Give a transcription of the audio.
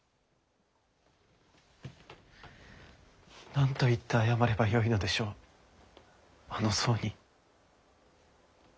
何と言って謝ればよいのでしょうあの僧に。